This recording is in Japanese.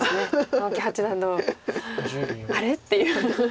青木八段の「あれ？」っていう。